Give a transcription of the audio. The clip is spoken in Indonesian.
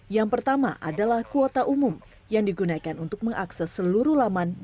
yang pertama adalah kuota umum yang digunakan untuk mengakses seluruh laman